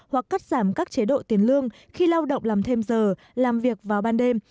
hoặc cắt giảm các chế độ tiền lương khi lao động làm thêm giờ làm việc vào ban đêm